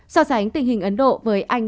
so sánh tình hình ấn độ với anh